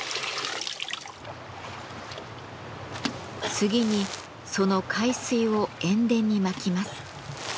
次にその海水を塩田にまきます。